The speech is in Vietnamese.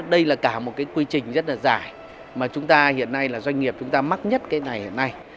đây là cả một cái quy trình rất là dài mà chúng ta hiện nay là doanh nghiệp chúng ta mắc nhất cái này hiện nay